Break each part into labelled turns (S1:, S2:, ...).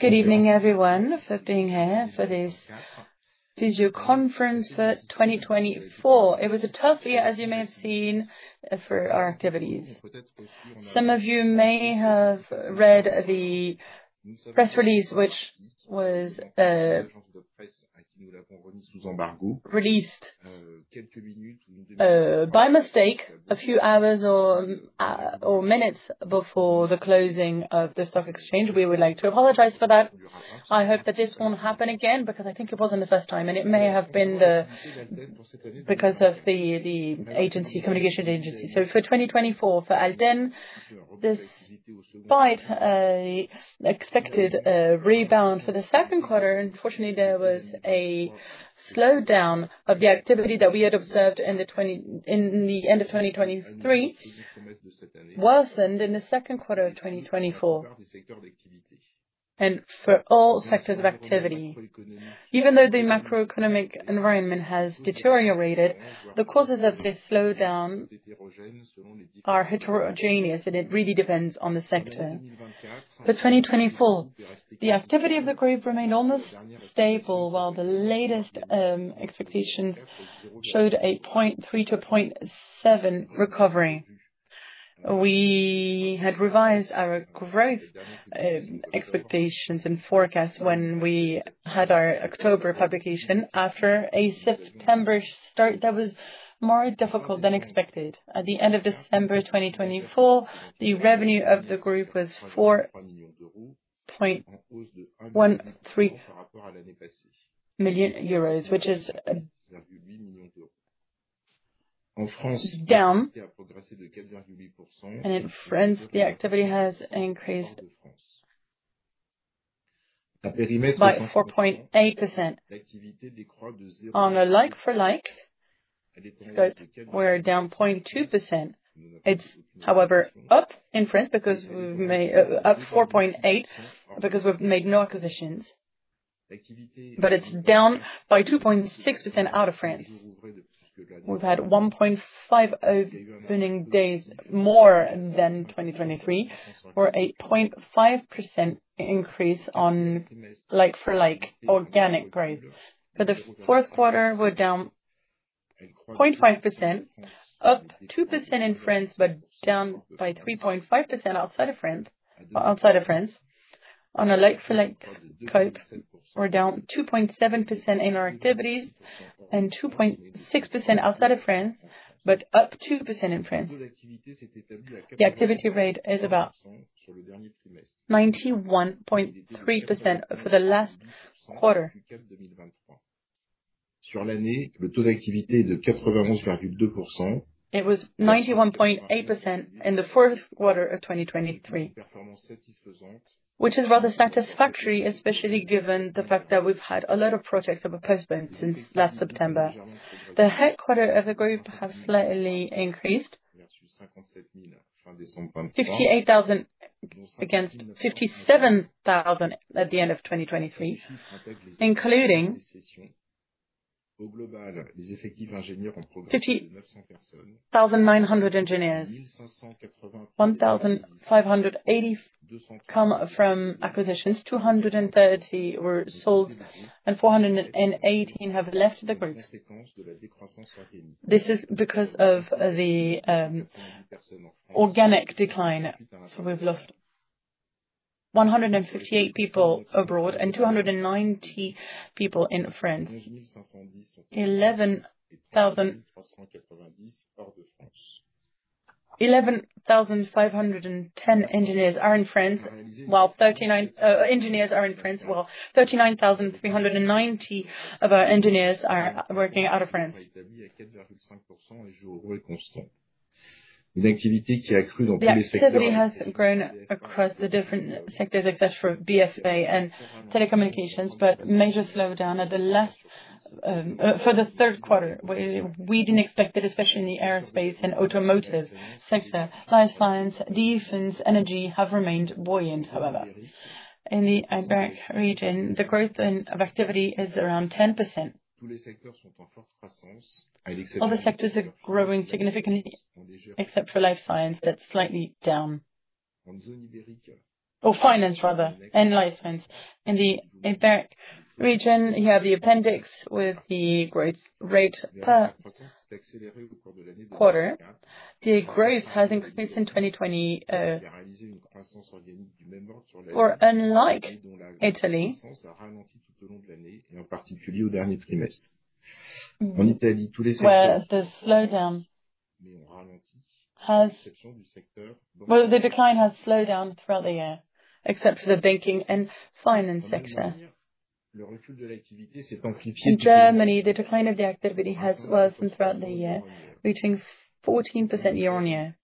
S1: Good evening, everyone, for being here for this video conference for 2024. It was a tough year, as you may have seen, for our activities. Some of you may have read the press release, which was released by mistake a few hours or minutes before the closing of the stock exchange. We would like to apologize for that. I hope that this won't happen again because I think it wasn't the first time, and it may have been because of the communication agency. So, for 2024, for Alten, despite an expected rebound for the second quarter, unfortunately, there was a slowdown of the activity that we had observed in the end of 2023, worsened in the second quarter of 2024, and for all sectors of activity, even though the macroeconomic environment has deteriorated, the causes of this slowdown are heterogeneous, and it really depends on the sector. For 2024, the activity of the group remained almost stable, while the latest expectations showed a 0.3%-0.7% recovery. We had revised our growth expectations and forecasts when we had our October publication after a September start that was more difficult than expected. At the end of December 2024, the revenue of the group was 4.13 million euros, which is down, and in France, the activity has increased by 4.8%. On a like-for-like scope, we're down 0.2%. It's, however, up in France because we've made up 4.8% because we've made no acquisitions, but it's down by 2.6% out of France. We've had 1.5 opening days more than 2023, or a 0.5% increase on like-for-like organic growth. For the fourth quarter, we're down 0.5%, up 2% in France, but down by 3.5% outside of France. On a like-for-like scope, we're down 2.7% in our activities and 2.6% outside of France, but up 2% in France. The activity rate is about 91.3% for the last quarter. Sur l'année, the taux d'activité is 91.8% in the fourth quarter of 2023, which is rather satisfactory, especially given the fact that we've had a lot of projects of a postponement since last September. The headcount of the group has slightly increased, 58,000 against 57,000 at the end of 2023, including 1,900 engineers, 1,580 come from acquisitions, 230 were sold, and 418 have left the group. This is because of the organic decline. So we've lost 158 people abroad and 290 people in France. 11,510 engineers are in France, while 39,390 of our engineers are working out of France. The activity has grown across the different sectors, except for BFA and telecommunications, but major slowdown at the last for the third quarter. We didn't expect it, especially in the aerospace and automotive sector. Life science, defense, and energy have remained buoyant, however. In the Iberian region, the growth of activity is around 10%. All the sectors are growing significantly, except for life science that's slightly down. Finance, rather, and life science. In the Iberian region, you have the appendix with the growth rate per quarter. The growth has increased in 2020, or unlike Italy, and in particular in the last trimester. In Italy, the slowdown has been throughout the year, except for the banking and finance sector. In Germany, the decline of the activity has worsened throughout the year, reaching 14% year on year.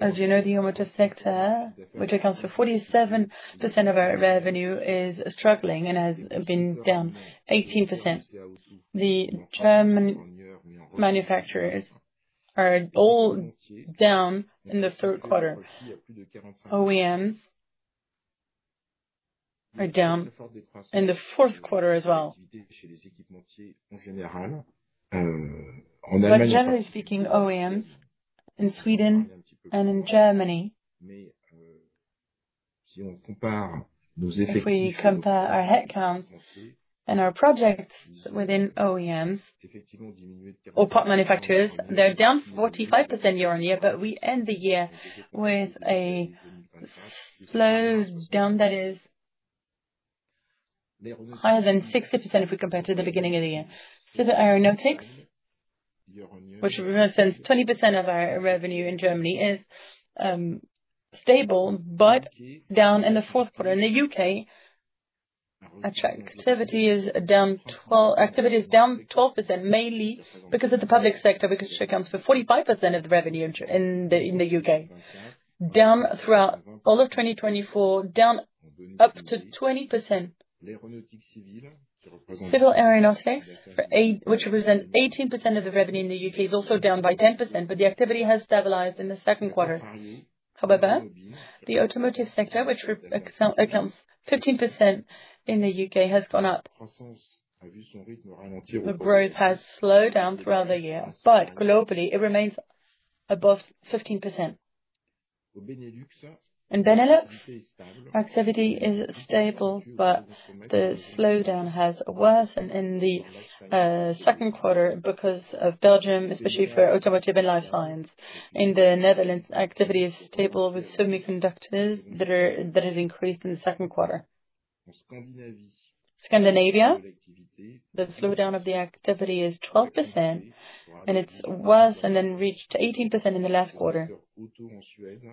S1: As you know, the automotive sector, which accounts for 47% of our revenue, is struggling and has been down 18%. The German manufacturers are all down in the third quarter. OEMs are down in the fourth quarter as well. In Germany, in Sweden, and in Germany, if we compare our headcount and our projects within OEMs, they're down 45% year on year, but we end the year with a slowdown that is higher than 60% if we compare to the beginning of the year. So the aeronautics, which represents 20% of our revenue in Germany, is stable but down in the fourth quarter. In the UK, activity is down 12%, mainly because of the public sector, which accounts for 45% of the revenue in the UK. Down throughout all of 2024, down up to 20%. Civil aeronautics, which represents 18% of the revenue in the U.K., is also down by 10%, but the activity has stabilized in the second quarter. However, the automotive sector, which accounts for 15% in the U.K., has gone up. The growth has slowed down throughout the year, but globally, it remains above 15%. In Benelux, activity is stable, but the slowdown has worsened in the second quarter because of Belgium, especially for automotive and life science. In the Netherlands, activity is stable with semiconductors that have increased in the second quarter. Scandinavia, the slowdown of the activity is 12%, and it's worse and then reached 18% in the last quarter.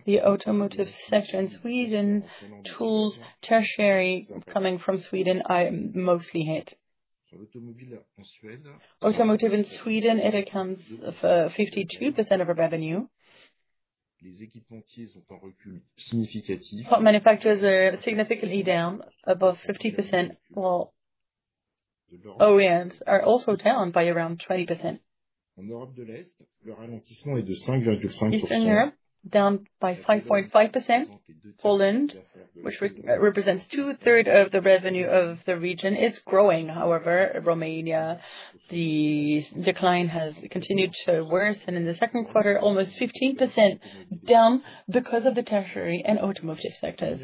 S1: The automotive sector in Sweden, tools, tertiary coming from Sweden, are mostly hit. Automotive in Sweden, it accounts for 52% of our revenue. Part manufacturers are significantly down, above 50%, while OEMs are also down by around 20%. In Europe, the slowdown is 5.5%. Poland, which represents two-thirds of the revenue of the region, is growing. However, in Romania, the decline has continued to worsen in the second quarter, almost 15% down because of the tertiary and automotive sectors.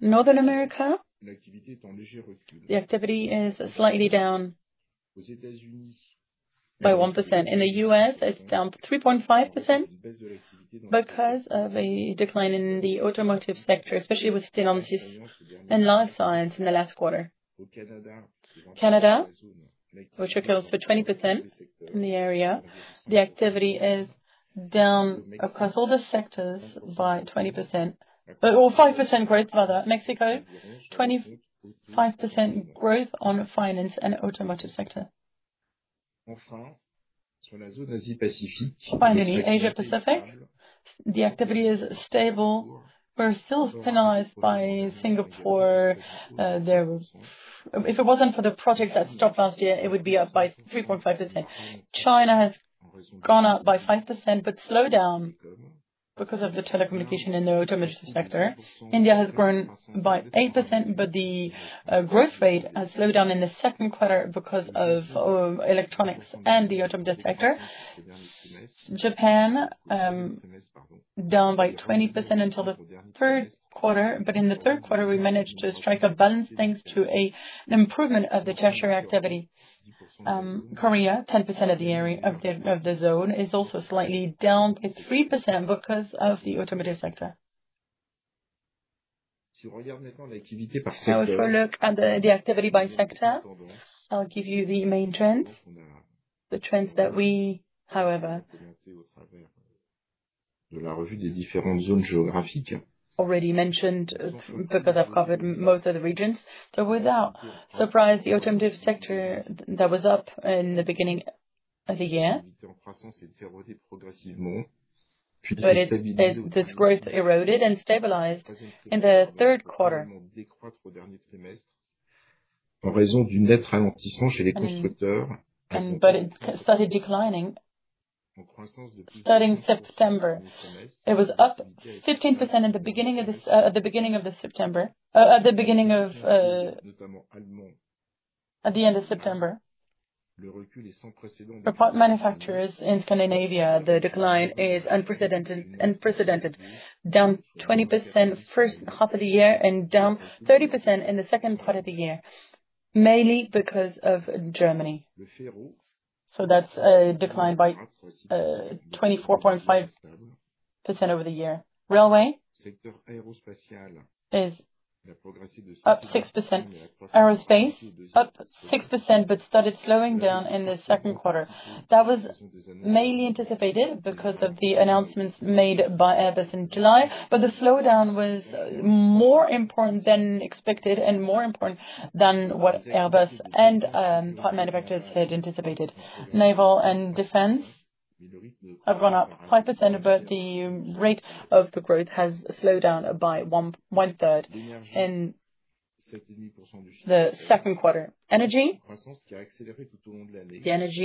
S1: In Northern America, the activity is slightly down by 1%. In the U.S., it's down 3.5% because of a decline in the automotive sector, especially with finance and life sciences in the last quarter. Canada, which accounts for 20% in the area, the activity is down across all the sectors by 20%. But a 5% growth, rather. Mexico, 25% growth on finance and automotive sector. Finally, Asia-Pacific, the activity is stable. We're still penalized by Singapore. If it wasn't for the projects that stopped last year, it would be up by 3.5%. China has gone up by 5% but slowed down because of the telecommunications and the automotive sector. India has grown by 8%, but the growth rate has slowed down in the second quarter because of electronics and the automotive sector. Japan down by 20% until the third quarter, but in the third quarter, we managed to strike a balance thanks to an improvement of the tertiary activity. Korea, 10% of the zone, is also slightly down. It's 3% because of the automotive sector. Now, if we look at the activity by sector, I'll give you the main trends. The trends that we, however, already mentioned because I've covered most of the regions. So without surprise, the automotive sector that was up in the beginning of the year started declining. Starting September, it was up 15% at the beginning of September. At the end of September, for parts manufacturers in Scandinavia, the decline is unprecedented. Down 20% first half of the year and down 30% in the second part of the year, mainly because of Germany. So that's a decline by 24.5% over the year. Railway is up 6%. Aerospace up 6% but started slowing down in the second quarter. That was mainly anticipated because of the announcements made by Airbus in July, but the slowdown was more important than expected and more important than what Airbus and part manufacturers had anticipated. Naval and defense have gone up 5%, but the rate of growth has slowed down by one-third in the second quarter. Energy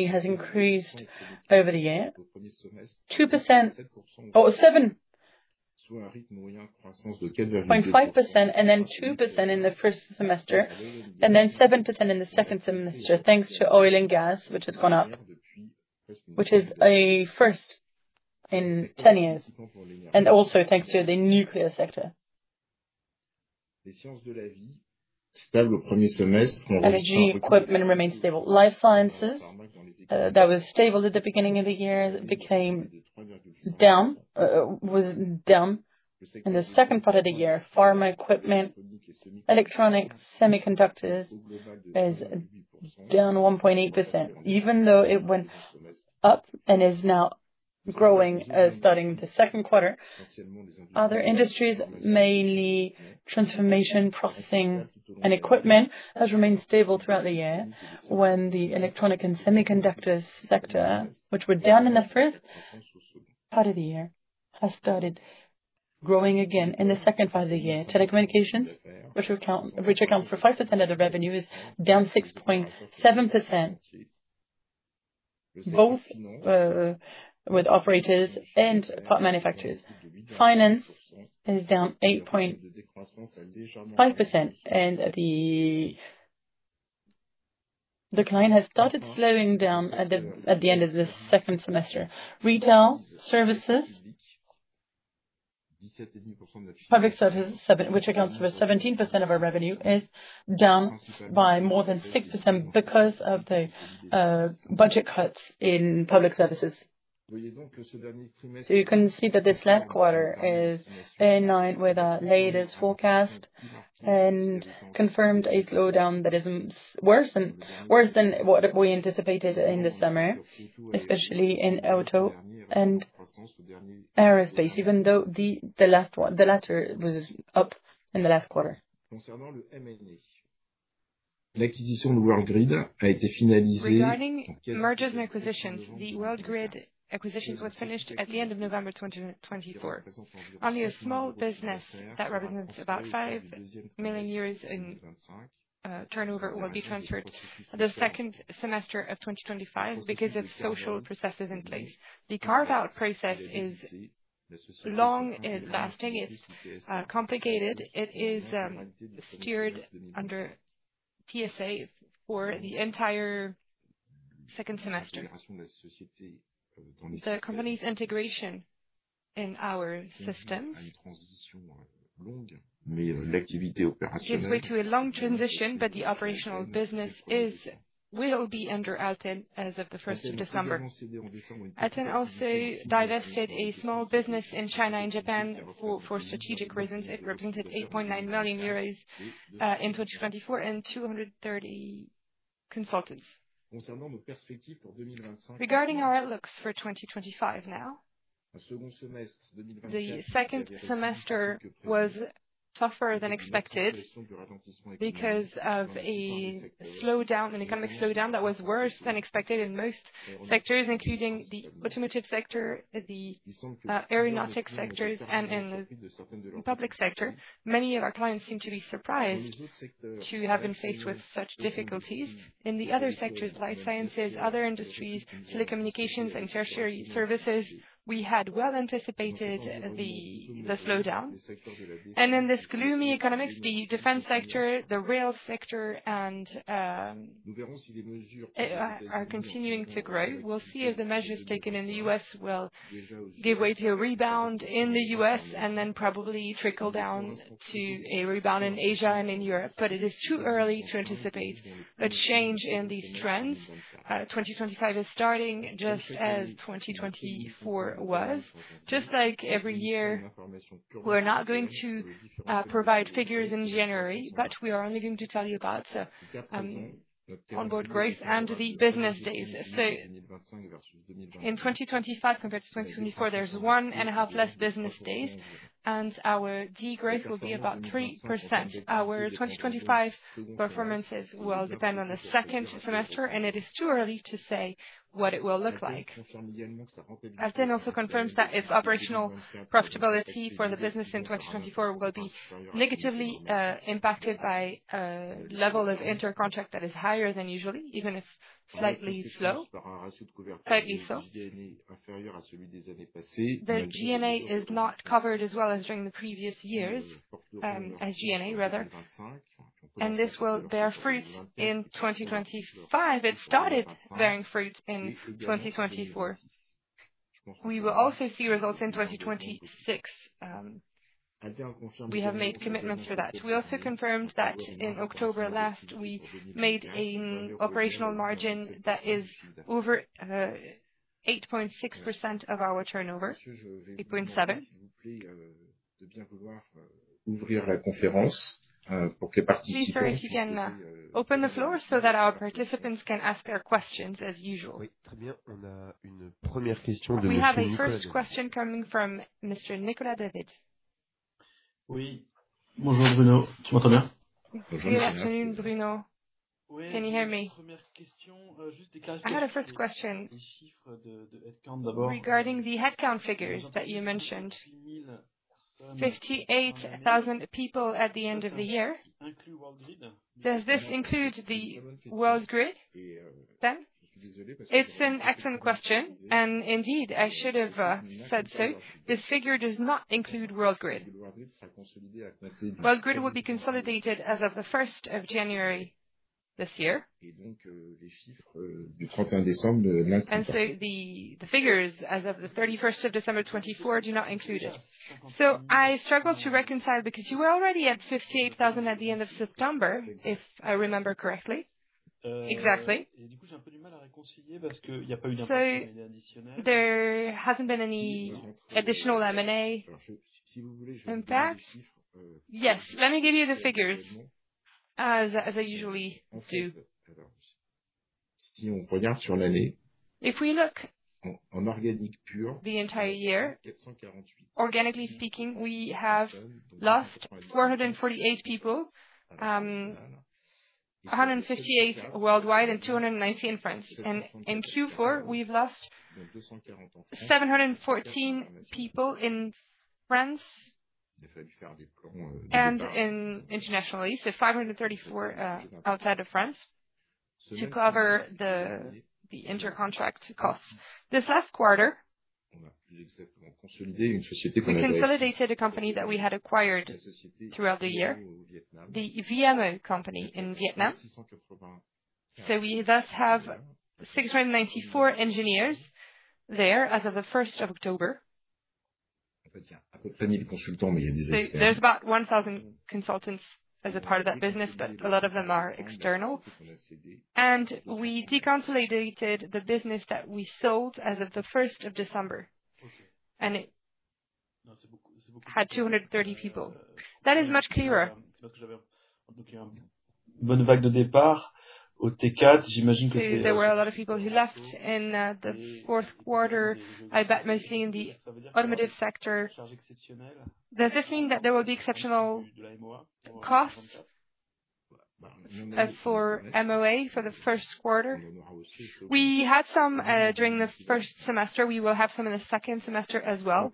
S1: has increased over the year, 2% at 7%, and then 2% in the first semester, and then 7% in the second semester, thanks to oil and gas, which has gone up, which is a first in 10 years, and also thanks to the nuclear sector. Energy equipment remained stable. Life sciences, that was stable at the beginning of the year, became down in the second part of the year. Pharma equipment, electronics, semiconductors is down 1.8%, even though it went up and is now growing starting the second quarter. Other industries, mainly transformation, processing, and equipment, have remained stable throughout the year when the electronic and semiconductor sector, which were down in the first part of the year, has started growing again in the second part of the year. Telecommunications, which accounts for 5% of the revenue, is down 6.7%, both with operators and part manufacturers. Finance is down 8.5%, and the decline has started slowing down at the end of the second semester. Retail, services, public services, which accounts for 17% of our revenue, is down by more than 6% because of the budget cuts in public services. You can see that this last quarter is in line with our latest forecast and confirmed a slowdown that is worse than what we anticipated in the summer, especially in auto and aerospace, even though the latter was up in the last quarter. Regarding mergers and acquisitions, the Worldgrid acquisition was finished at the end of November 2024. Only a small business that represents about 5 million EUR in turnover will be transferred in the second semester of 2025 because of social processes in place. The carve-out process is long-lasting. It's complicated. It is steered under TSA for the entire second semester. The company's integration in our systems is a long transition, but the operational business will be under Alten as of the first of December. Alten also divested a small business in China and Japan for strategic reasons. It represented 8.9 million euros in 2024 and 230 consultants. Regarding our outlooks for 2025 now, the second semester was tougher than expected because of a slowdown, an economic slowdown that was worse than expected in most sectors, including the automotive sector, the aeronautics sectors, and in the public sector. Many of our clients seem to be surprised to have been faced with such difficulties. In the other sectors, life sciences, other industries, telecommunications, and tertiary services, we had well anticipated the slowdown, and in this gloomy economics, the defense sector, the rail sector, and are continuing to grow. We'll see if the measures taken in the U.S. will give way to a rebound in the U.S. and then probably trickle down to a rebound in Asia and in Europe, but it is too early to anticipate a change in these trends. 2025 is starting just as 2024 was. Just like every year, we're not going to provide figures in January, but we are only going to tell you about organic growth and the business days. In 2025, compared to 2024, there's one and a half less business days, and our degrowth will be about 3%. Our 2025 performances will depend on the second semester, and it is too early to say what it will look like. Alten also confirms that its operational profitability for the business in 2024 will be negatively impacted by a level of intercontract that is higher than usual, even if slightly slow. The G&A is not covered as well as during the previous years, as G&A, rather. And this will bear fruit in 2025. It started bearing fruit in 2024. We will also see results in 2026. We have made commitments for that. We also confirmed that in October last, we made an operational margin that is over 8.6% of our turnover, 8.7%. Please open the floor so that our participants can ask their questions as usual. We have a first question coming from Mr. Nicolas David. Good afternoon, Bruno. Can you hear me? I had a first question. Regarding the headcount figures that you mentioned, 58,000 people at the end of the year, does this include Worldgrid then? It's an excellent question, and indeed, I should have said so. This figure does not include Worldgrid. Worldgrid will be consolidated as of the 1st of January this year. And so the figures as of the 31st of December 2024 do not include it. So I struggle to reconcile because you were already at 58,000 at the end of September, if I remember correctly. Exactly. There hasn't been any additional M&A impact. Yes, let me give you the figures as I usually do. If we look on organic pure, organically speaking, we have lost 448 people, 158 worldwide and 290 in France, and in Q4, we've lost 714 people in France and internationally, so 534 outside of France to cover the intercontract costs. This last quarter, we consolidated a company that we had acquired throughout the year, the VME company in Vietnam, so we thus have 694 engineers there as of the 1st of October. There's about 1,000 consultants, as a part of that business, but a lot of them are external, and we de-consolidated the business that we sold as of the 1st of December and had 230 people. That is much clearer. There were a lot of people who left in the fourth quarter. I bet mostly in the automotive sector. Does this mean that there will be exceptional costs for M&A for the first quarter? We had some during the first semester. We will have some in the second semester as well,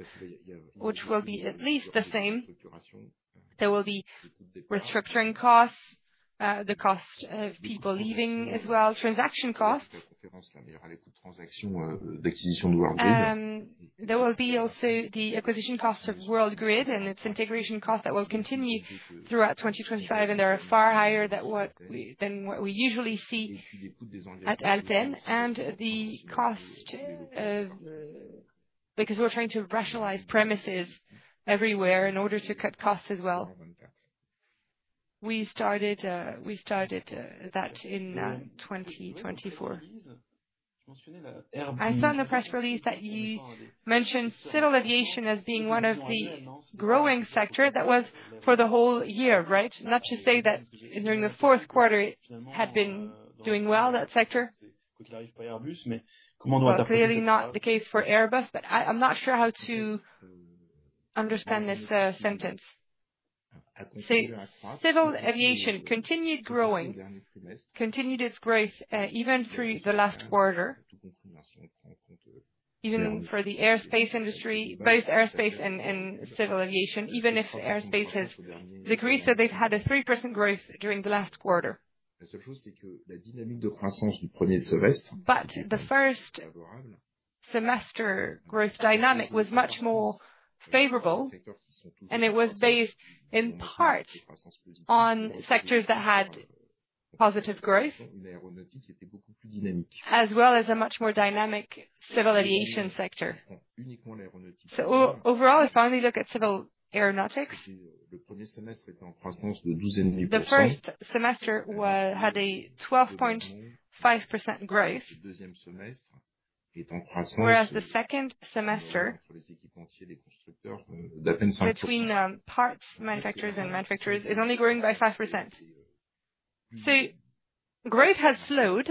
S1: which will be at least the same. There will be restructuring costs, the cost of people leaving as well, transaction costs. There will be also the acquisition costs of Worldgrid and its integration costs that will continue throughout 2025, and they're far higher than what we usually see at Alten. And because we're trying to rationalize premises everywhere in order to cut costs as well, we started that in 2024. I saw in the press release that you mentioned civil aviation as being one of the growing sectors that was for the whole year, right? Not to say that during the fourth quarter, it had been doing well, that sector. It's clearly not the case for Airbus, but I'm not sure how to understand this sentence. Civil aviation continued growing, continued its growth even through the last quarter, even for the aerospace industry, both aerospace and civil aviation, even if aerospace has decreased. So they've had a 3% growth during the last quarter. But the first semester growth dynamic was much more favorable, and it was based in part on sectors that had positive growth, as well as a much more dynamic civil aviation sector. So overall, if I only look at civil aeronautics, the first semester had a 12.5% growth, whereas the second semester, between parts manufacturers and manufacturers, is only growing by 5%. So growth has slowed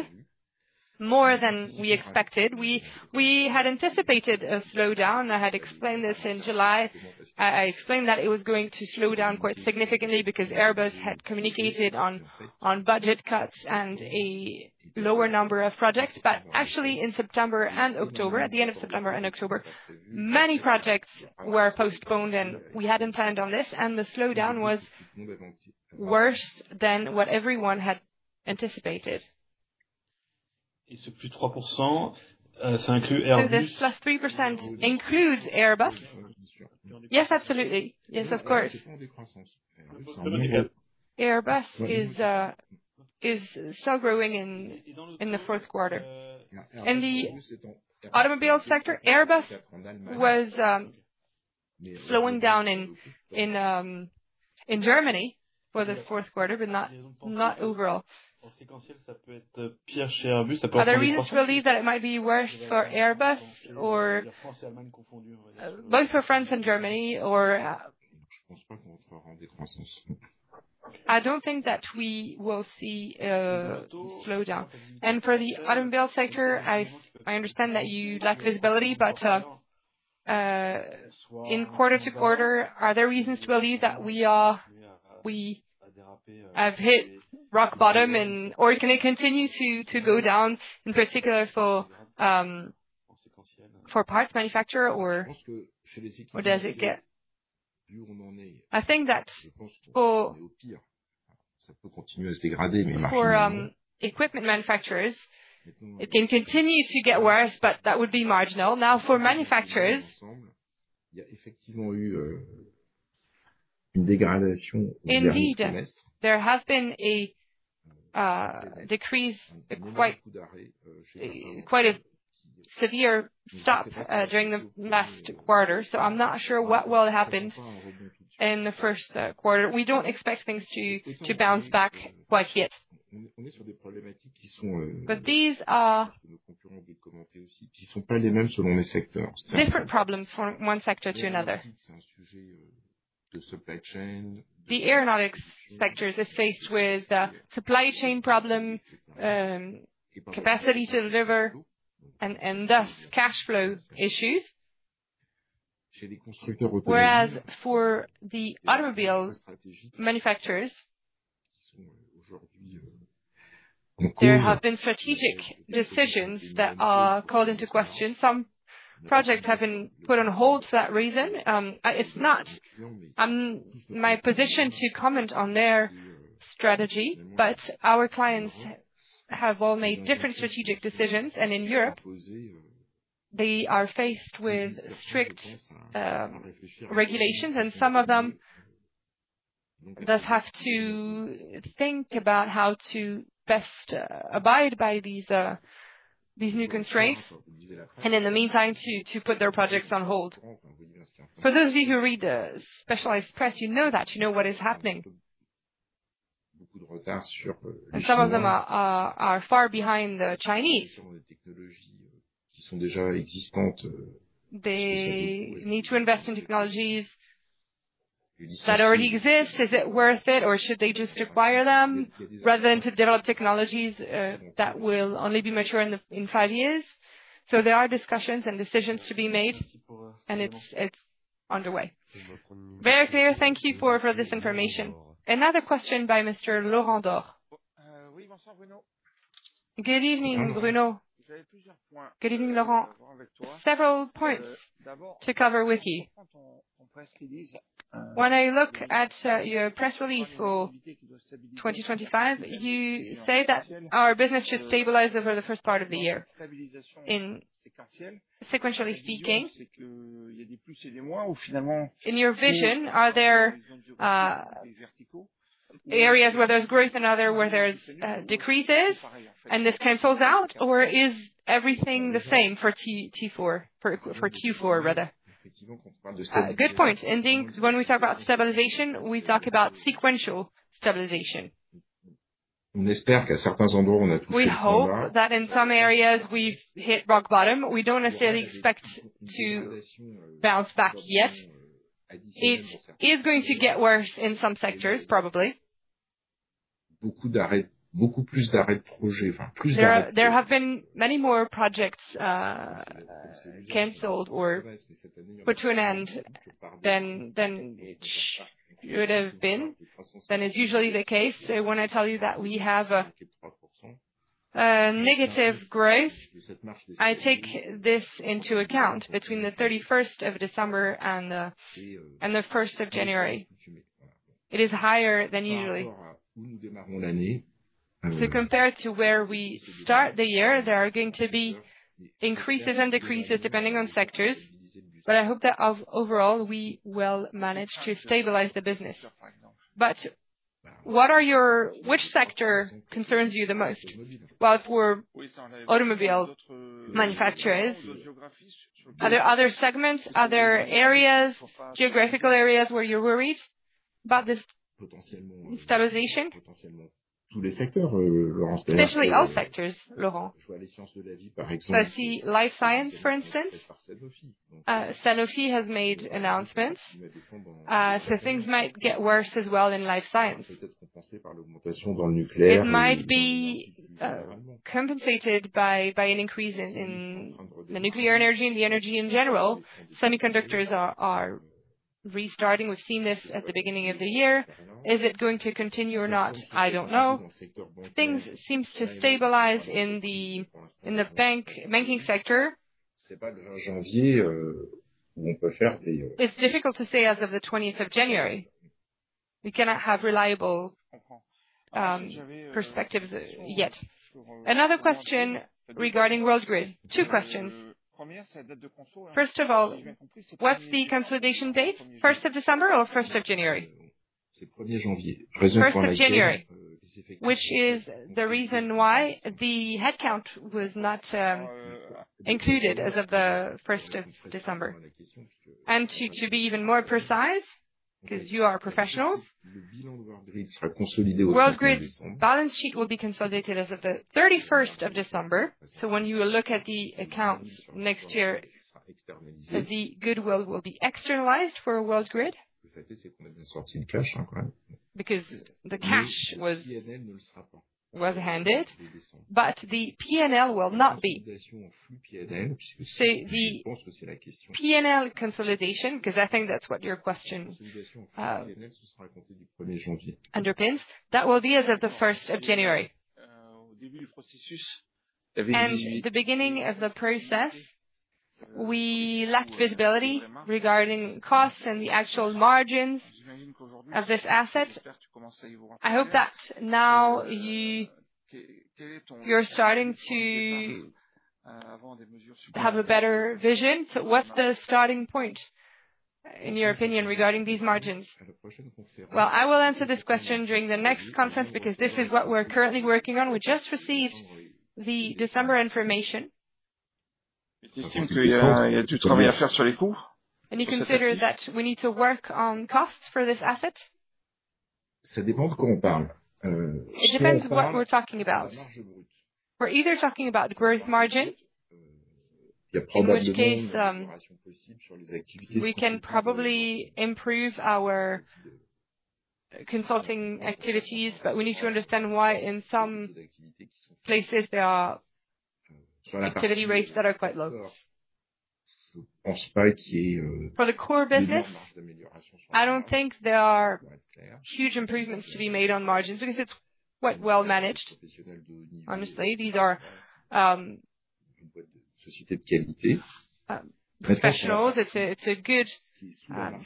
S1: more than we expected. We had anticipated a slowdown. I had explained this in July. I explained that it was going to slow down quite significantly because Airbus had communicated on budget cuts and a lower number of projects. But actually, in September and October, at the end of September and October, many projects were postponed, and we hadn't planned on this, and the slowdown was worse than what everyone had anticipated. So this plus 3% includes Airbus? Yes, absolutely. Yes, of course. Airbus is still growing in the fourth quarter. In the automobile sector, Airbus was slowing down in Germany for the fourth quarter, but not overall. Are there reasons to believe that it might be worse for Airbus, both for France and Germany? I don't think that we will see a slowdown. For the automobile sector, I understand that you lack visibility, but in quarter to quarter, are there reasons to believe that we have hit rock bottom, or can it continue to go down, in particular for parts manufacturer, or does it get? I think that for equipment manufacturers, it can continue to get worse, but that would be marginal. Now, for manufacturers, there has been a decrease, quite a severe drop during the last quarter, so I'm not sure what will happen in the first quarter. We don't expect things to bounce back quite yet, but these are different problems from one sector to another. The aeronautics sector is faced with supply chain problems, capacity to deliver, and thus cash flow issues. Whereas for the automobile manufacturers, there have been strategic decisions that are called into question. Some projects have been put on hold for that reason. It's not my position to comment on their strategy, but our clients have all made different strategic decisions, and in Europe, they are faced with strict regulations, and some of them thus have to think about how to best abide by these new constraints and, in the meantime, to put their projects on hold. For those of you who read the specialized press, you know that. You know what is happening, and some of them are far behind the Chinese. They need to invest in technologies that already exist. Is it worth it, or should they just acquire them rather than to develop technologies that will only be mature in five years, so there are discussions and decisions to be made, and it's underway. Very clear. Thank you for this information. Another question by Mr. Laurent Daure. Good evening, Bruno. Several points to cover with you. When I look at your press release for 2025, you say that our business should stabilize over the first part of the year. In sequentially speaking, in your vision, are there areas where there's growth and other where there's decreases, and this cancels out, or is everything the same for Q4, rather? Good point. When we talk about stabilization, we talk about sequential stabilization. We hope that in some areas, we've hit rock bottom. We don't necessarily expect to bounce back yet. It is going to get worse in some sectors, probably. There have been many more projects canceled or put to an end than it would have been, than is usually the case. So when I tell you that we have a negative growth, I take this into account between the 31st of December and the 1st of January. It is higher than usual. So compared to where we start the year, there are going to be increases and decreases depending on sectors, but I hope that overall, we will manage to stabilize the business. But which sector concerns you the most? Well, for automobile manufacturers, are there other segments, other geographical areas where you're worried about this stabilization? Potentially all sectors. If I see life science, for instance, Sanofi has made announcements that things might get worse as well in life science. It might be compensated by an increase in nuclear energy and the energy in general. Semiconductors are restarting. We've seen this at the beginning of the year. Is it going to continue or not? I don't know. Things seem to stabilize in the banking sector. It's difficult to say as of the 20th of January. We cannot have reliable perspectives yet. Another question regarding Worldgrid. Two questions. First of all, what's the consolidation date? 1st of December or 1st of January? 1st of January, which is the reason why the headcount was not included as of the 1st of December. And to be even more precise, because you are professionals, Worldgrid balance sheet will be consolidated as of the 31st of December. So when you look at the accounts next year, the goodwill will be externalized for Worldgrid. Because the P&L was handed, but the P&L will not be. I hope that now you're starting to have a better vision. So what's the starting point, in your opinion, regarding these margins? Well, I will answer this question during the next conference because this is what we're currently working on. We just received the December information. And you consider that we need to work on costs for this asset? It depends what we're talking about. We're either talking about gross margin, in which case we can probably improve our consulting activities, but we need to understand why in some places there are activity rates that are quite low. For the core business, I don't think there are huge improvements to be made on margins because it's quite well managed. Honestly, these are professionals. It's a good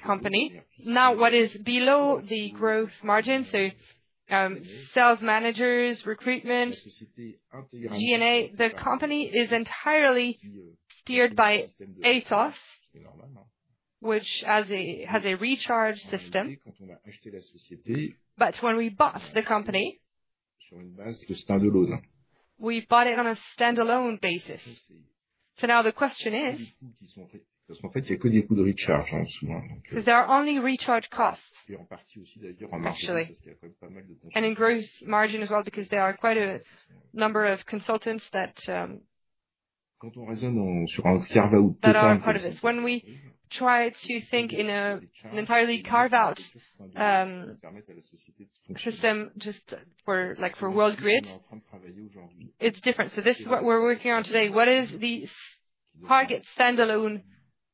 S1: company. Now, what is below the gross margin? So sales managers, recruitment, G&A. The company is entirely steered by Atos, which has a recharge system. But when we bought the company. So now the question is, parce qu'en fait, il n'y a que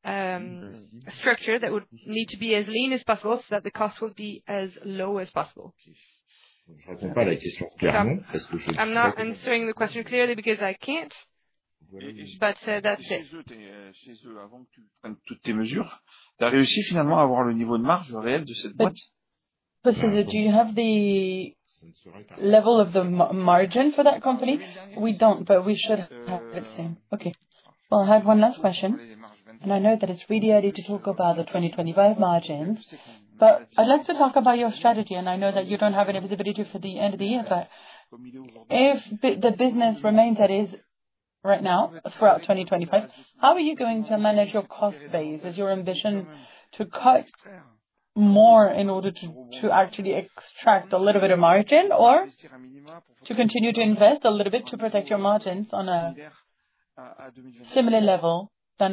S1: des coûts de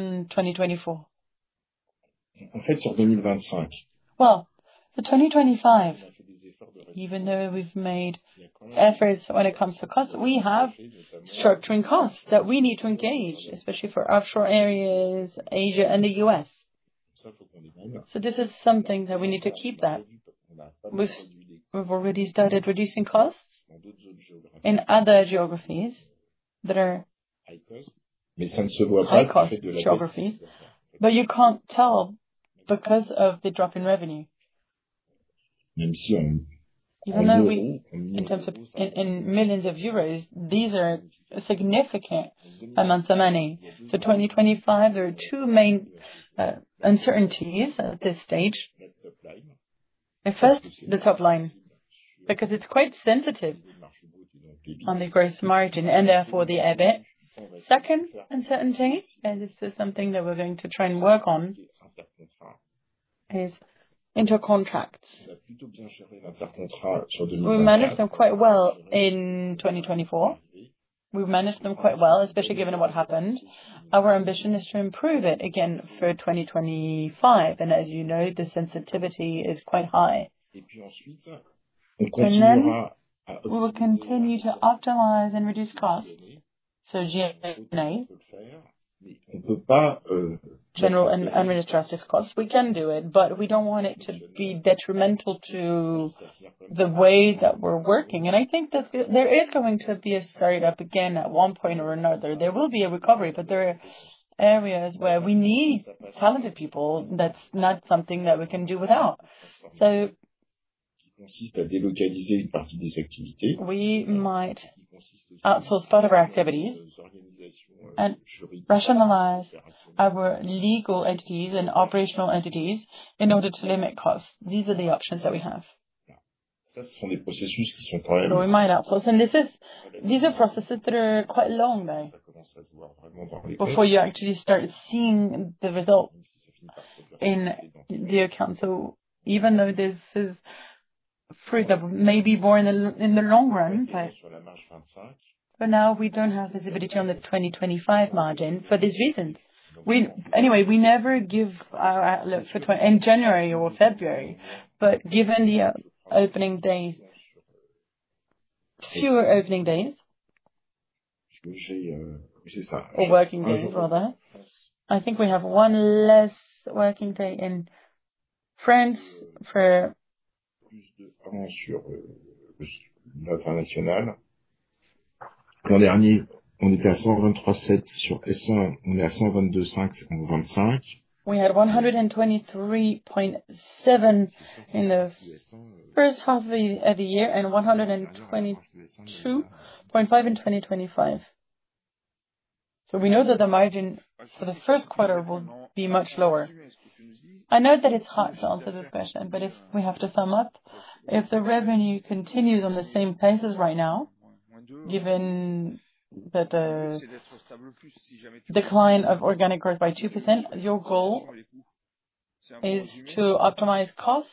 S1: recharge. General administrative costs. We can do it, but we don't want it to be detrimental to the way that we're working, and I think there is going to be a start-up again at one point or another. There will be a recovery, but there are areas where we need talented people. That's not something that we can do without. So rationalize our legal entities and operational entities in order to limit costs. These are the options that we have. So we might outsource. And these are processes that are quite long before you actually start seeing the result in the account. So even though this is fruit that may be born in the long run, for now, we don't have visibility on the 2025 margin for these reasons. Anyway, we never give outlooks in January or February, but given the opening days, fewer opening days for working days rather. I think we have one less working day in France for the first half of the year and 122.5 in 2025. So we know that the margin for the first quarter will be much lower. I know that it's hard to answer this question, but if we have to sum up, if the revenue continues on the same places right now, given the decline of organic growth by 2%, your goal is to optimize costs.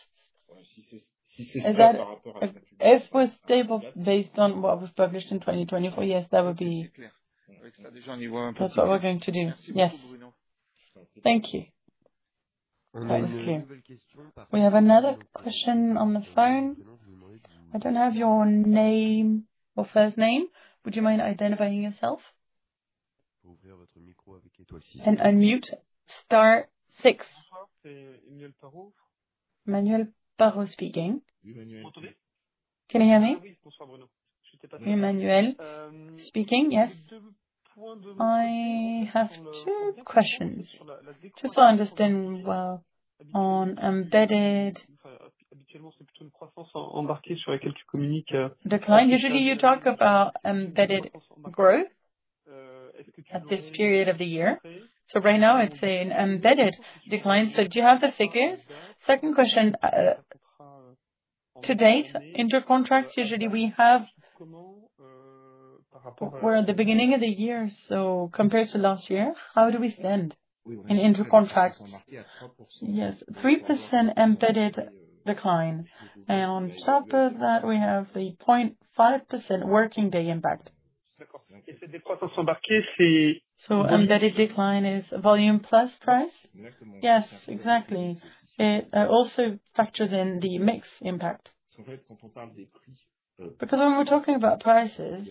S1: If we're stable based on what we've published in 2024, yes, that would be what we're going to do. Yes. Thank you. That was clear. We have another question on the phone. I don't have your name or first name. Would you mind identifying yourself? And unmute, star six. Emmanuel Parot speaking. Can you hear me? Emmanuel speaking. Yes. I have two questions. Just to understand well on embedded. Usually, you talk about embedded growth at this period of the year. So right now, it's an embedded decline. So, do you have the figures? Second question. To date, Intercontract. Usually we have, we're at the beginning of the year, so compared to last year, how do we stand in Intercontract? Yes. 3% embedded decline. And on top of that, we have the 0.5% working day impact. So embedded decline is volume plus price? Yes, exactly. It also factors in the mix impact. Because when we're talking about prices,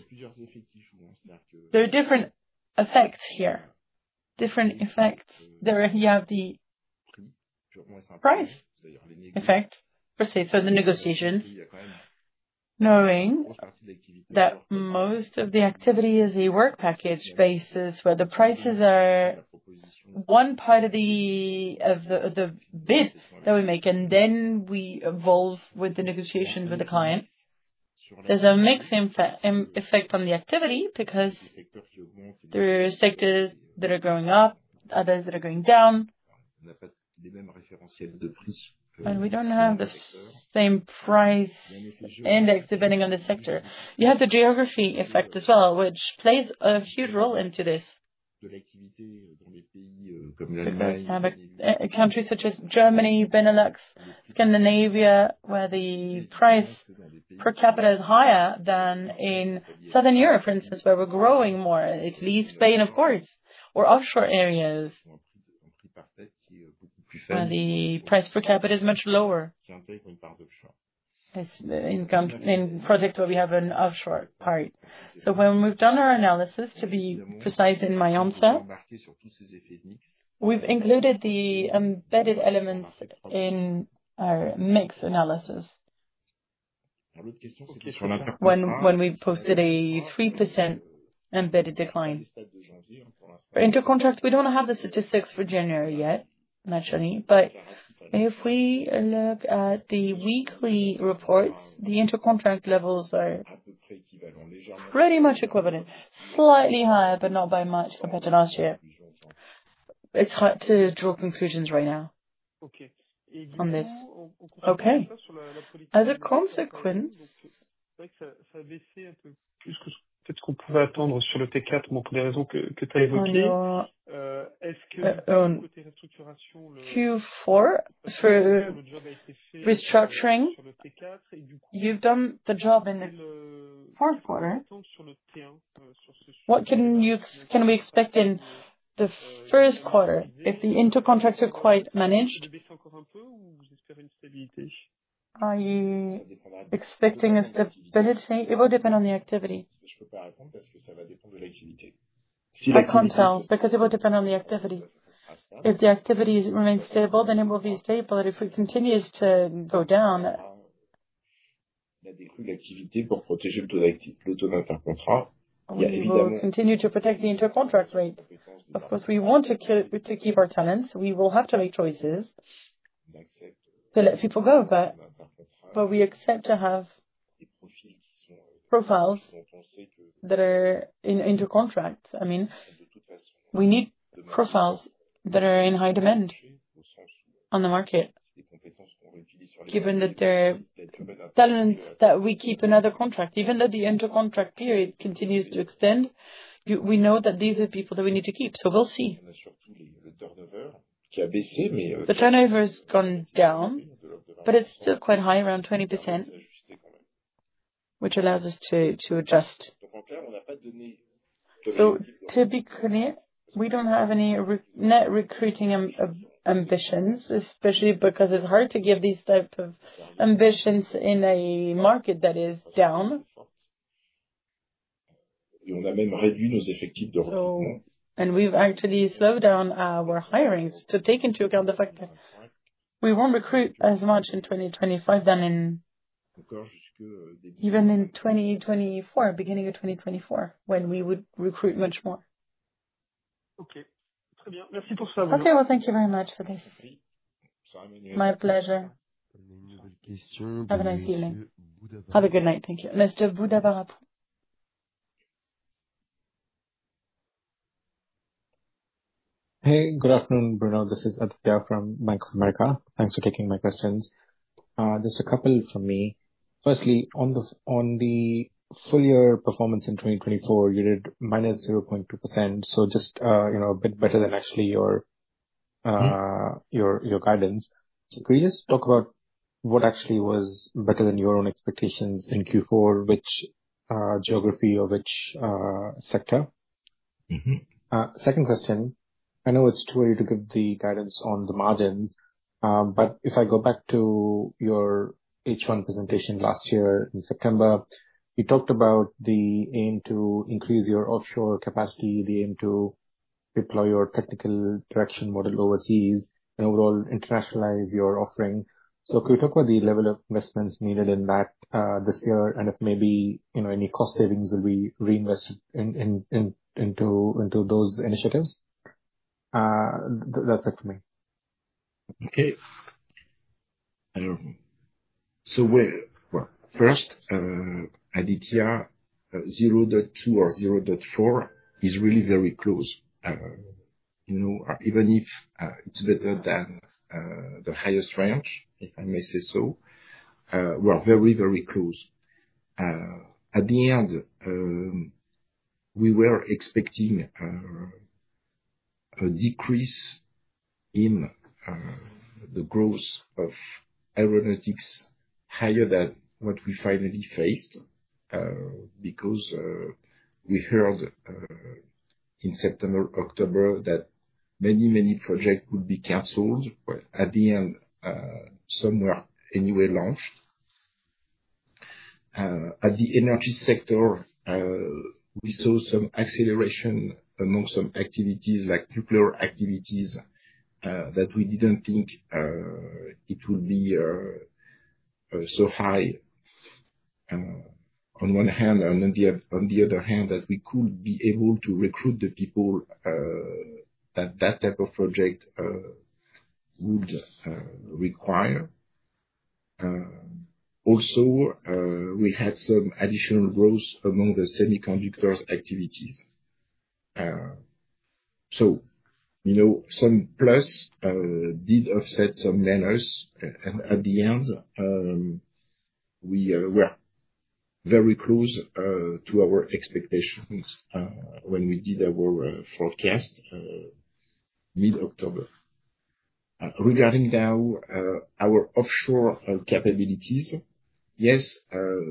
S1: there are different effects here. Different effects. You have the price effect. So the negotiations knowing that most of the activity is a work package basis where the prices are one part of the bid that we make, and then we evolve with the negotiations with the clients. There's a mixed effect on the activity because there are sectors that are growing up, others that are going down, and we don't have the same price index depending on the sector. You have the geography effect as well, which plays a huge role into this. Countries such as Germany, Benelux, Scandinavia, where the price per capita is higher than in Southern Europe, for instance, where we're growing more, Italy, Spain, of course, or offshore areas. The price per capita is much lower. In projects where we have an offshore part. So when we've done our analysis, to be precise in my answer, we've included the embedded elements in our mix analysis. When we posted a 3% embedded decline. For intercontract, we don't have the statistics for January yet, naturally. But if we look at the weekly reports, the intercontract levels are pretty much equivalent. Slightly higher, but not by much compared to last year. It's hard to draw conclusions right now on this. Okay. As a consequence, Q4 restructuring, you've done the job in the fourth quarter. What can we expect in the first quarter if the Intercontracts are quite managed? Expecting stability? It will depend on the activity. I can't tell, because it will depend on the activity. If the activity remains stable, then it will be stable. But if it continues to go down, we will continue to protect the Intercontract rate. Of course, we want to keep our talents. We will have to make choices. But we accept to have profiles that are in Intercontract. I mean, we need profiles that are in high demand on the market, given that we keep another contract. Even though the Intercontract period continues to extend, we know that these are people that we need to keep. So we'll see. The turnover has gone down, but it's still quite high, around 20%, which allows us to adjust. So to be clear, we don't have any net recruiting ambitions, especially because it's hard to give these types of ambitions in a market that is down. And we've actually slowed down our hirings to take into account the fact that we won't recruit as much in 2025 than in even in 2024, beginning of 2024, when we would recruit much more. Okay. Très bien. Merci pour ça. Okay. Well, thank you very much for this. My pleasure. Have a nice evening. Have a good night. Thank you.
S2: Hey. Good afternoon, Bruno. This is Aditya from Bank of America. Thanks for taking my questions. Just a couple from me. Firstly, on the full year performance in 2024, you did minus 0.2%. So just a bit better than actually your guidance. Could you just talk about what actually was better than your own expectations in Q4, which geography or which sector? Second question. I know it's too early to give the guidance on the margins, but if I go back to your H1 presentation last year in September, you talked about the aim to increase your offshore capacity, the aim to deploy your technical direction model overseas, and overall internationalize your offering. So could you talk about the level of investments needed in that this year and if maybe any cost savings will be reinvested into those initiatives? That's it for me.
S1: Okay. So first, Aditya, 0.2 or 0.4 is really very close. Even if it's better than the highest range, if I may say so, we're very, very close. At the end, we were expecting a decrease in the growth of aeronautics higher than what we finally faced because we heard in September, October that many, many projects would be canceled. At the end, some were launched. In the energy sector, we saw some acceleration among some activities like nuclear activities that we didn't think it would be so high on one hand, and on the other hand, that we could be able to recruit the people that that type of project would require. Also, we had some additional growth among the semiconductor activities. So some plus did offset some minus. At the end, we were very close to our expectations when we did our forecast mid-October. Regarding now our offshore capabilities, yes,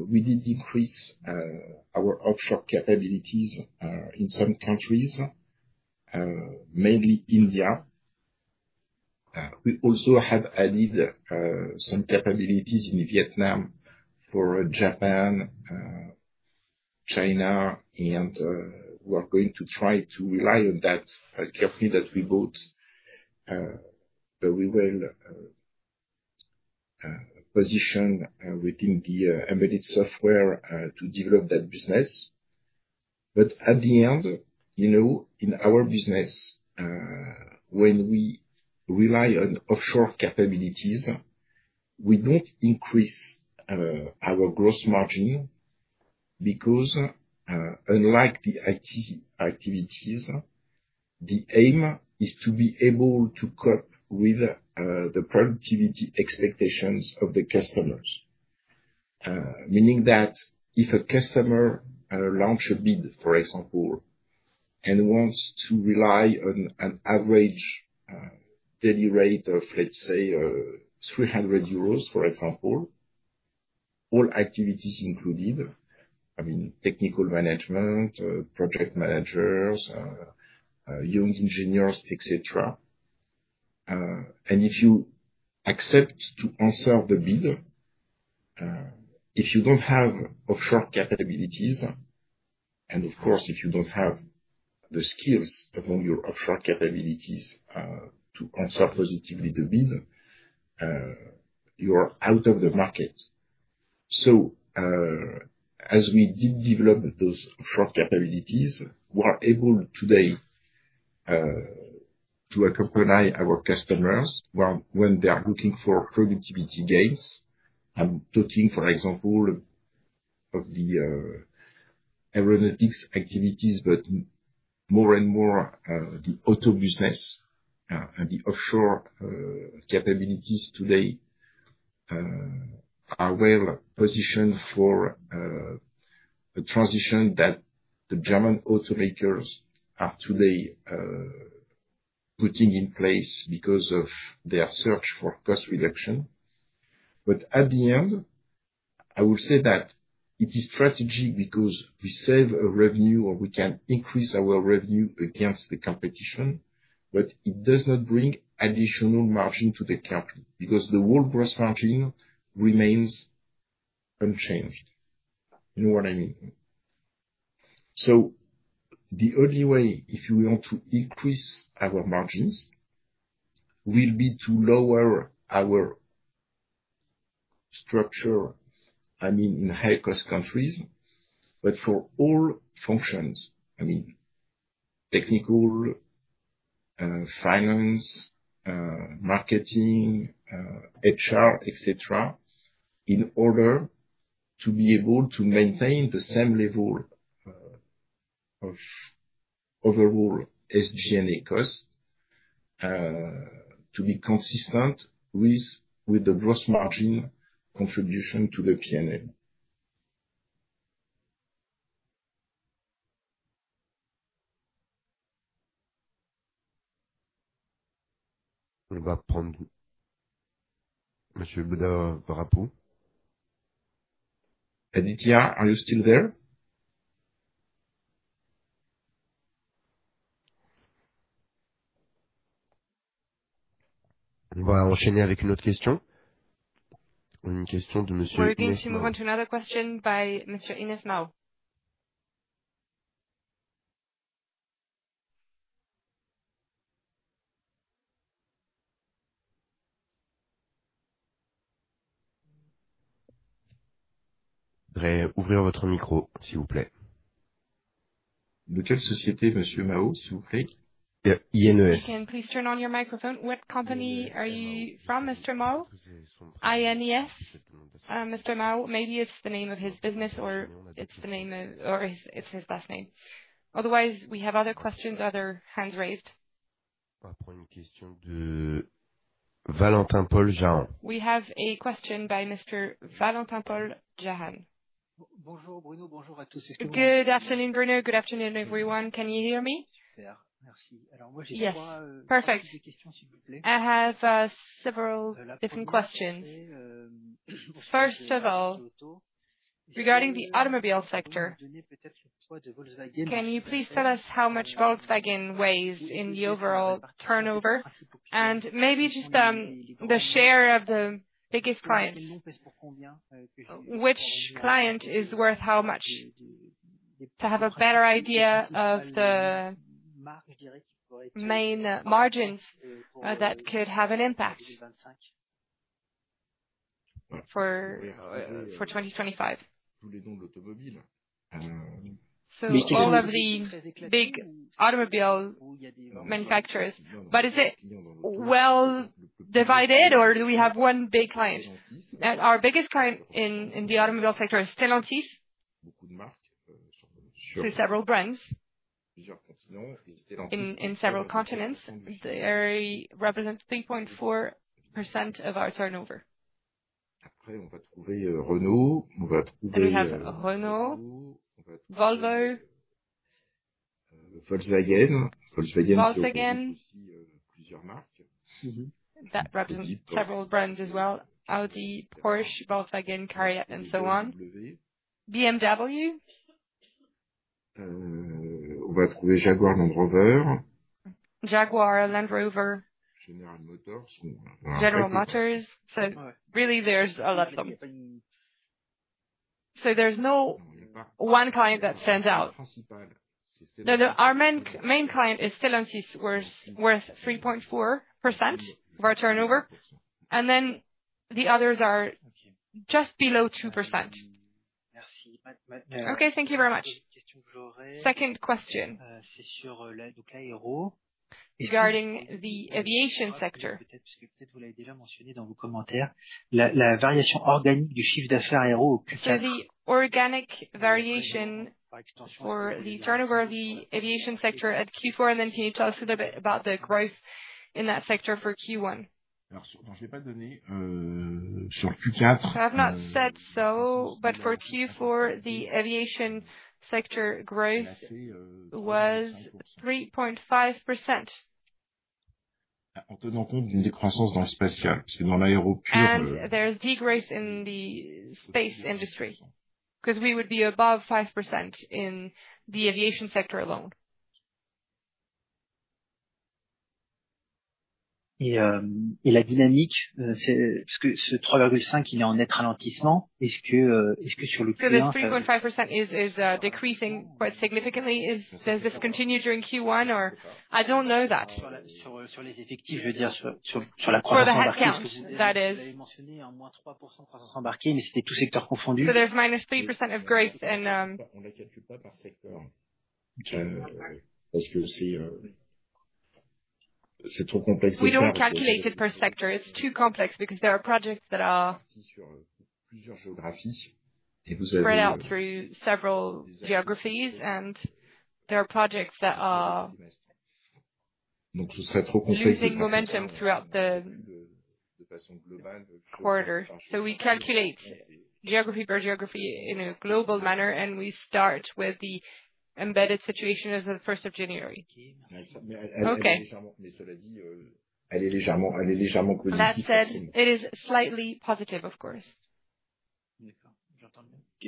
S1: we did decrease our offshore capabilities in some countries, mainly India. We also have added some capabilities in Vietnam for Japan, China, and we're going to try to rely on that company that we bought. We will position within the embedded software to develop that business. But at the end, in our business, when we rely on offshore capabilities, we don't increase our gross margin because, unlike the IT activities, the aim is to be able to cope with the productivity expectations of the customers. Meaning that if a customer launches a bid, for example, and wants to rely on an average daily rate of, let's say, 300 euros, for example, all activities included, I mean, technical management, project managers, young engineers, etc. And if you accept to answer the bid, if you don't have offshore capabilities, and of course, if you don't have the skills among your offshore capabilities to answer positively the bid, you're out of the market. So as we did develop those offshore capabilities, we are able today to accompany our customers when they are looking for productivity gains. I'm talking, for example, of the aeronautics activities, but more and more the auto business and the offshore capabilities today are well positioned for a transition that the German automakers are today putting in place because of their search for cost reduction. But at the end, I will say that it is strategic because we save revenue or we can increase our revenue against the competition, but it does not bring additional margin to the company because the whole gross margin remains unchanged. You know what I mean? So the only way if we want to increase our margins will be to lower our structure. I mean, in high-cost countries, but for all functions, I mean, technical, finance, marketing, HR, etc., in order to be able to maintain the same level of overall SG&A cost, to be consistent with the gross margin contribution to the P&L. Aditya, are you still there? Are we going to move on to another question by Mr. Ines Mao? You can please turn on your microphone. What company are you from, Mr. Mao? Mr. Mao, maybe it's the name of his business or it's his last name. Otherwise, we have other questions, other hands raised. We have a question by Mr. Valentin Paul-Jehan. Bonjour, Bruno. Good afternoon, Bruno. Good afternoon, everyone. Can you hear me? Yes. Perfect. I have several different questions. First of all, regarding the automobile sector, can you please tell us how much Volkswagen weighs in the overall turnover? And maybe just the share of the biggest clients. Which client is worth how much? To have a better idea of the main margins that could have an impact for 2025. So all of the big automobile manufacturers, but is it well divided, or do we have one big client? Our biggest client in the automobile sector is Stellantis. To several continents. In several continents, they represent 3.4% of our turnover. There are also several brands as well: Audi, Porsche, Volkswagen, Cayenne, and so on. BMW. Jaguar Land Rover. General Motors. So really, there's a lot of them. So there's no one client that stands out. No, no. Our main client is Stellantis, worth 3.4% of our turnover. And then the others are just below 2%. Okay. Thank you very much. Second question. Regarding the aviation sector. So the organic variation for the turnover of the aviation sector at Q4, and then can you tell us a little bit about the growth in that sector for Q1? I have not said so, but for Q4, the aviation sector growth was 3.5%. And there's a decrease in the space industry because we would be above 5% in the aviation sector alone. So this 3.5% is decreasing quite significantly. Does this continue during Q1, or? I don't know that. On the headcount, that is. So there's minus 3% of growth in. We don't calculate it per sector. It's too complex because there are projects that are. And we work through several geographies, and there are projects that are. Increasing momentum throughout the quarter. So, we calculate geography per geography in a global manner, and we start with the embedded situation as of the 1st of January. Okay. That said, it is slightly positive, of course.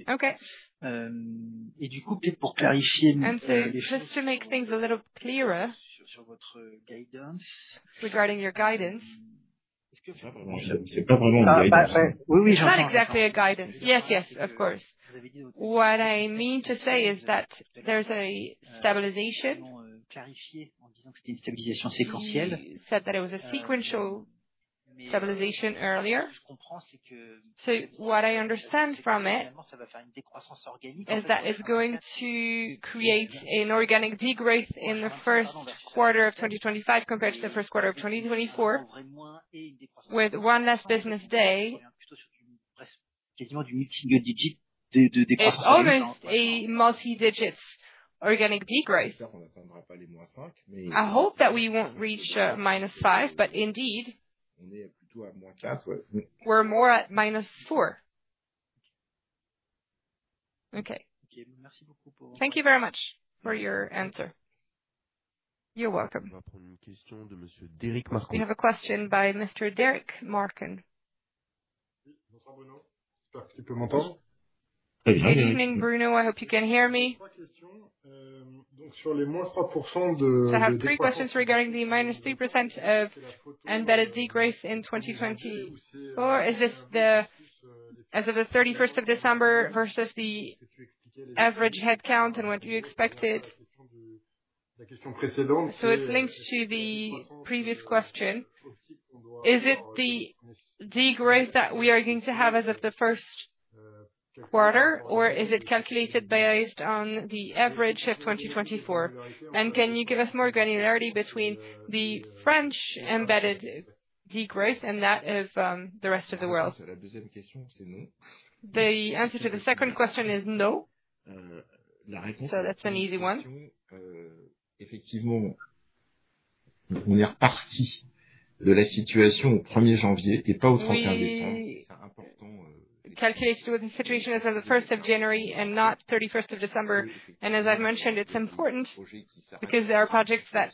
S1: Okay. And just to make things a little clearer. Regarding your guidance. Not exactly a guidance. Yes, yes, of course. What I mean to say is that there's a stabilization. You said that it was a sequential stabilization earlier. So, what I understand from it. Is that it's going to create an organic degrowth in the first quarter of 2025 compared to the first quarter of 2024, with one less business day. Almost a multi-digit organic degrowth. I hope that we won't reach minus 5, but indeed. We're more at minus 4. Okay. Okay. Thank you very much for your answer. You're welcome. We have a question by Mr. Derric Marcon. Good evening, Bruno. I hope you can hear me. Trois questions. Donc, sur les moins 3% de. So I have three questions regarding the minus 3% of embedded degrowth in 2024. Is this as of the 31st of December versus the average headcount and what you expected? So it's linked to the previous question. Is it the degrowth that we are going to have as of the first quarter, or is it calculated based on the average of 2024? And can you give us more granularity between the French embedded degrowth and that of the rest of the world? The answer to the second question is no. So that's an easy one. Calculated with the situation as of the 1st of January and not 31st of December. And as I've mentioned, it's important because there are projects that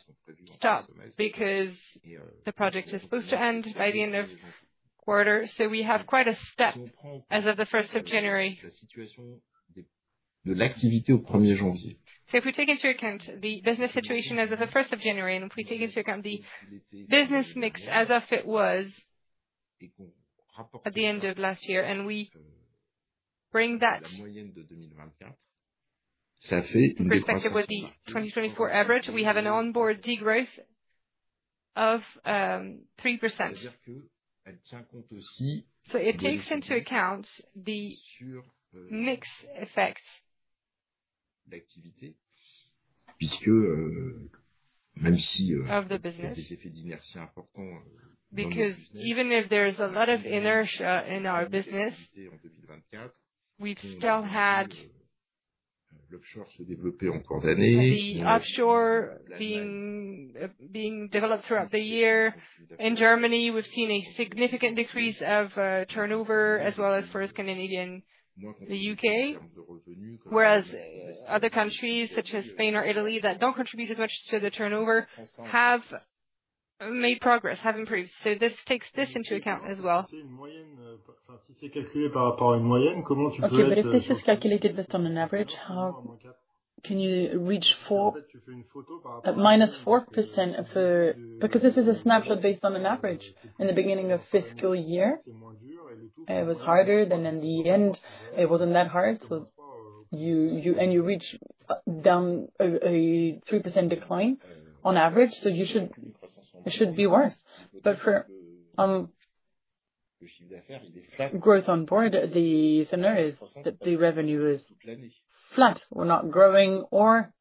S1: stop because the project is supposed to end by the end of quarter. So we have quite a step as of the 1st of January. So if we take into account the business situation as of the 1st of January and if we take into account the business mix as of it was at the end of last year and we bring that. With respect to the 2024 average, we have an onboard degrowth of 3%. So, it takes into account the mixed effects. Of the businesses. Because even if there is a lot of inertia in our business, we've still had. The offshore being developed throughout the year. In Germany, we've seen a significant decrease of turnover as well as for the UK, whereas other countries such as Spain or Italy that don't contribute as much to the turnover have made progress, have improved. So, this takes this into account as well. Okay. But if this is calculated based on an average, how can you reach 4? Minus 4% of the because this is a snapshot based on an average. In the beginning of fiscal year, it was harder, then in the end, it wasn't that hard. And you reach down a 3% decline on average, so it should be worse. But for growth on board, the scenario is that the revenue is flat. We're not growing or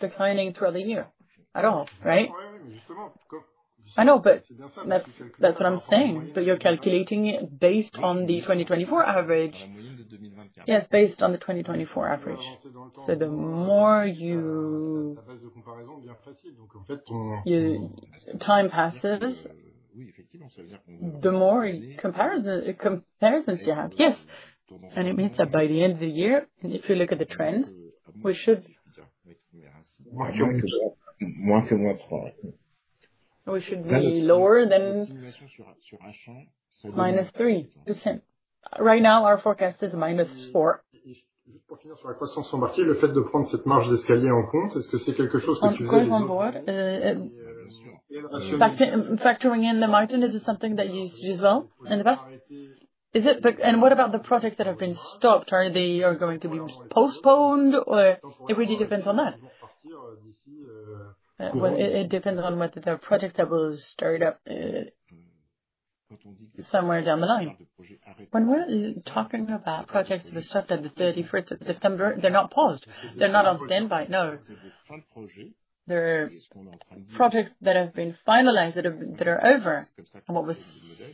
S1: declining throughout the year at all, right? I know, but that's what I'm saying. But you're calculating it based on the 2024 average. Yes, based on the 2024 average. So the more you. Time passes. The more comparisons you have, yes. And it means that by the end of the year, if you look at the trend, we should be lower than minus 3%. Right now, our forecast is minus 4%. Factoring in the margin is something that you used as well in the past? What about the projects that have been stopped? Are they going to be postponed or It really depends on that? It depends on whether the project that was started up somewhere down the line. When we're talking about projects that were stopped at the 31st of December, they're not paused. They're not on standby. No. Projects that have been finalized, that are over. And what we're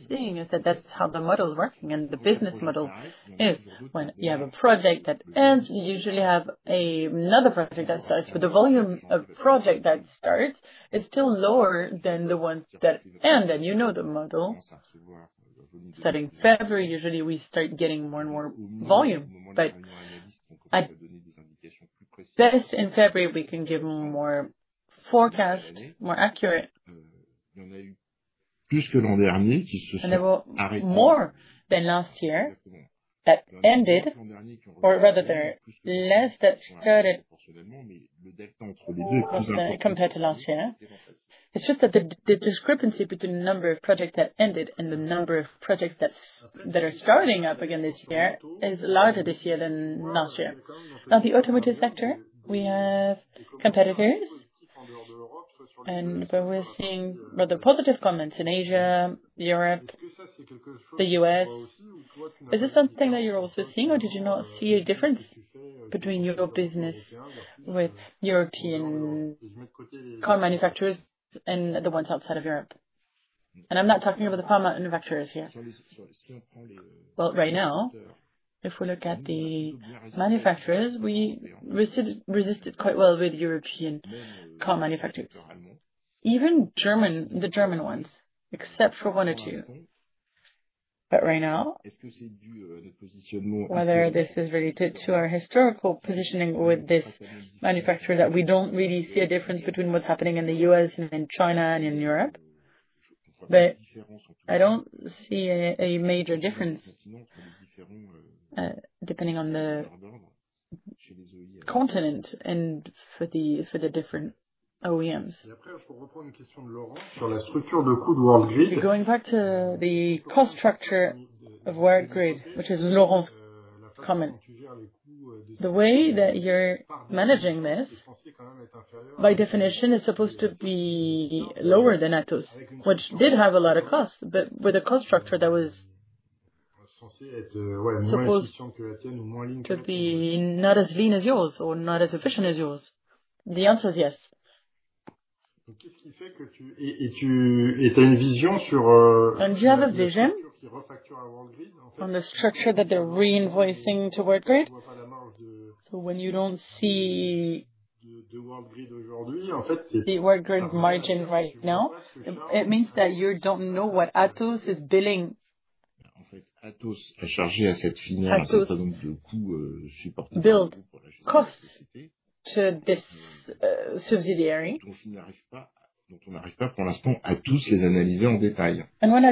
S1: seeing is that that's how the model is working and the business model is. When you have a project that ends, you usually have another project that starts. But the volume of projects that start is still lower than the ones that end. And you know the model. Starting February, usually we start getting more and more volume. But in February, we can give more forecast, more accurate. That ended, or rather they're less that started. Compared to last year. It's just that the discrepancy between the number of projects that ended and the number of projects that are starting up again this year is larger this year than last year. Now, the automotive sector, we have competitors, and we're seeing rather positive comments in Asia, Europe, the U.S. Is this something that you're also seeing, or did you not see a difference between your business with European car manufacturers and the ones outside of Europe, and I'm not talking about the car manufacturers here, well, right now, if we look at the manufacturers, we resisted quite well with European car manufacturers. Even the German ones, except for one or two. But right now, whether this is related to our historical positioning with this manufacturer, we don't really see a difference between what's happening in the U.S. and in China and in Europe. But I don't see a major difference depending on the continent and for the different OEMs. Going back to the cost structure of Worldgrid, which is Laurent's comment. The way that you're managing this, by definition, it's supposed to be lower than Atos, which did have a lot of costs, but with a cost structure that was supposed to be not as lean as yours or not as efficient as yours. The answer is yes. Et tu as une vision sur the structure that they're reinvoicing to Worldgrid? So when you don't see the Worldgrid right now, it means that you don't know what Atos is billing. And we're not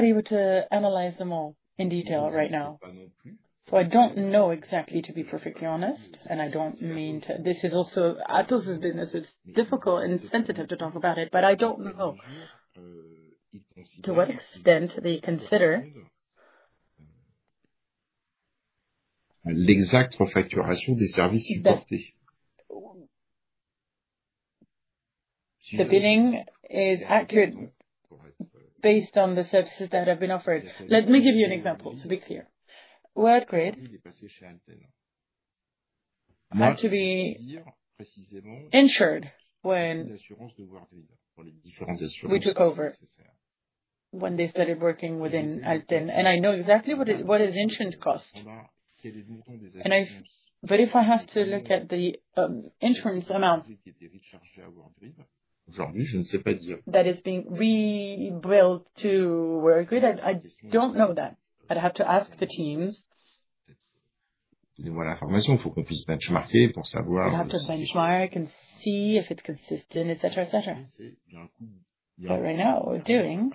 S1: able to analyze them all in detail right now. So I don't know exactly, to be perfectly honest. And I don't mean to this is also Atos's business. It's difficult and sensitive to talk about it, but I don't know to what extent they consider l'exact refacturation des services supportés. The billing is accurate based on the services that have been offered. Let me give you an example to be clear. Worldgrid had to be insured when we took over when they started working within Alten. And I know exactly what his insurance cost. But if I have to look at the insurance amount that is being recharged to Worldgrid, that is being rebuilt to Worldgrid, I don't know that. I'd have to ask the teams. We have to benchmark and see if it's consistent, etc., etc. But right now, we're doing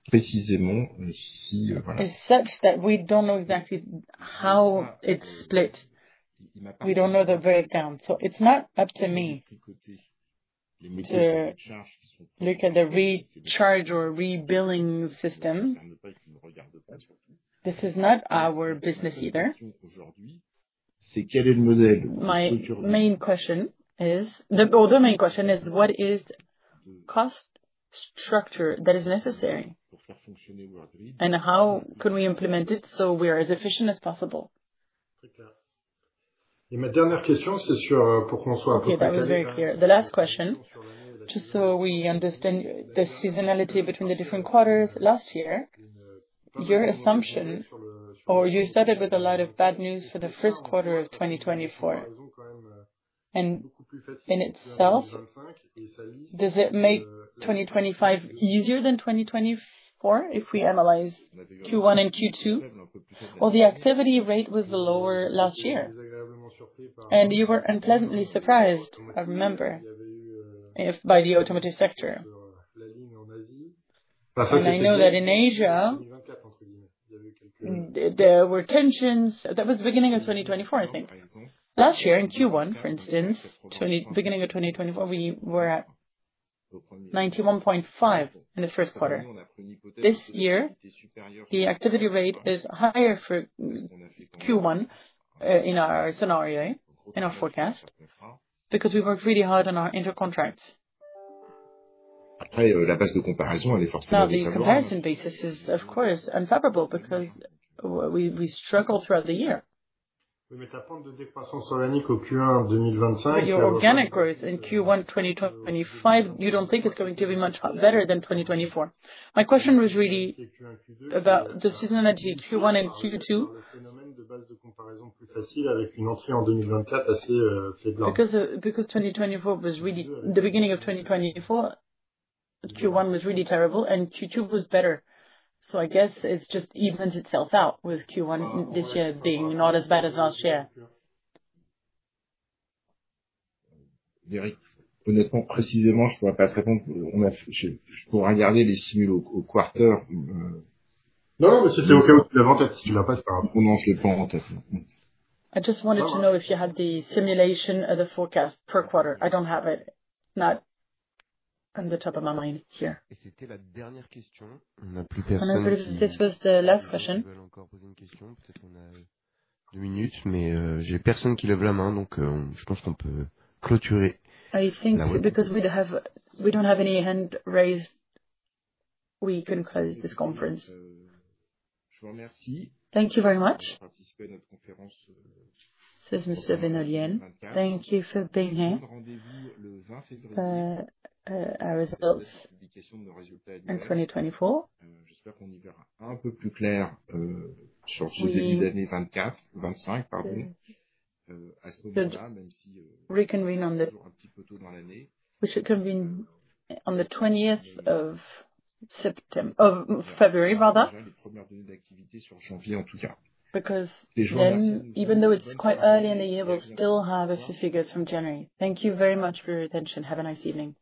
S1: a partition qui ne permet pas de savoir exactement, précisément, si voilà. Is such that we don't know exactly how it's split. We don't know the breakdown. So it's not up to me to look at the recharge or rebilling system. This is not our business either. My main question is, or the main question is, what is the cost structure that is necessary? And how can we implement it so we are as efficient as possible? Okay. That was very clear. The last question, just so we understand the seasonality between the different quarters. Last year, your assumption, or you started with a lot of bad news for the first quarter of 2024. And in itself, does it make 2025 easier than 2024 if we analyze Q1 and Q2? Or the activity rate was lower last year. And you were unpleasantly surprised, I remember, by the automotive sector. And I know that in Asia, there were tensions. That was the beginning of 2024, I think. Last year, in Q1, for instance, beginning of 2024, we were at 91.5% in the first quarter. This year, the activity rate is higher for Q1 in our scenario, in our forecast, because we worked really hard on our intercontracts. No, the comparison basis is, of course, unfavorable because we struggled throughout the year. But your organic growth in Q1 2025, you don't think it's going to be much better than 2024. My question was really about the seasonality Q1 and Q2. Because the beginning of 2024, Q1 was really terrible, and Q2 was better. So I guess it just evens itself out with Q1 this year being not as bad as last year. I just wanted to know if you had the simulation of the forecast per quarter. I don't have it. It's not on the top of my mind here. This was the last question. I think because we don't have any hands raised, we can close this conference. Thank you very much. This is Mr. Benoliel. Thank you for being here. We should convene on the 20th of February, rather. Because even though it's quite early in the year, we'll still have a few figures from January. Thank you very much for your attention. Have a nice evening.